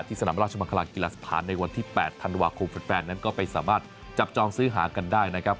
สนามราชมังคลากีฬาสถานในวันที่๘ธันวาคมแฟนนั้นก็ไปสามารถจับจองซื้อหากันได้นะครับ